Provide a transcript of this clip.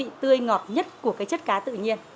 cái vị cá tươi ngọt nhất của cái chất cá tự nhiên